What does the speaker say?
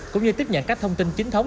cũng như tiếp nhận các thông tin chính thống